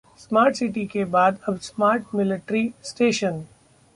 smart city के बाद अब स्मार्ट मिलिट्री स्टेशन